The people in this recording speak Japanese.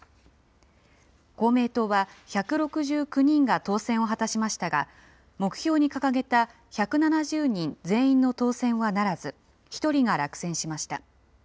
公明党は１６９人が当選を果たしましたが、目標に掲げた１７０人全員の当選はならず、１人が落選しました。